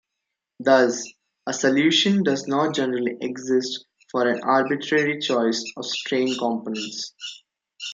Thus, a solution does not generally exist for an arbitrary choice of strain components.